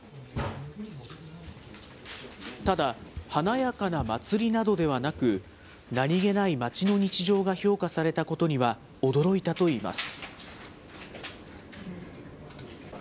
ただ、華やかな祭りなどではなく、何気ない街の日常が評価されたことには驚いたといいます。